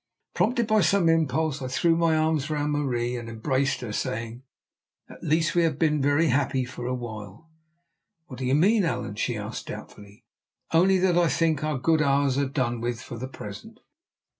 Prompted by some impulse, I threw my arms round Marie and embraced her, saying: "At least we have been very happy for a while." "What do you mean, Allan?" she asked doubtfully. "Only that I think our good hours are done with for the present."